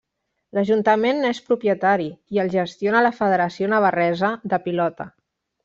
L'ajuntament n'és propietari i el gestiona la Federació Navarresa de Pilota.